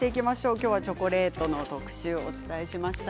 今日はチョコレートの特集をお伝えしました。